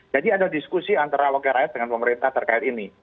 jadi ada diskusi antara rakyat rakyat dengan pemerintah terkait ini